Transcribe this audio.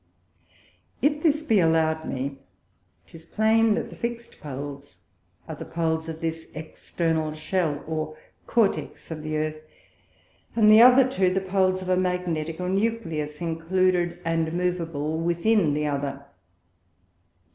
If this be allow'd me, 'tis plain that the fixt Poles are the Poles of this External Shell or Cortex of the Earth, and the other two the Poles of a Magnetical Nucleus included and moveable within the other.